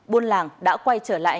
buôn làng đã quay trở lại